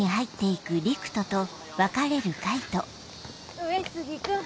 上杉君！